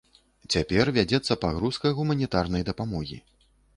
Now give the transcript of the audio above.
Цяпер вядзецца пагрузка гуманітарнай дапамогі.